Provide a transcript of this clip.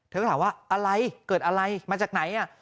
เธอก็ถามว่าอะไรเกิดอะไรมาจากไหน